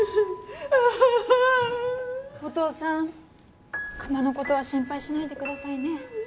お父さん窯のことは心配しないでくださいね。